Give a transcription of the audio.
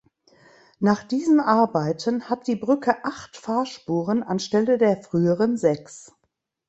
Nach diesen Arbeiten hat die Brücke acht Fahrspuren anstelle der früheren sechs.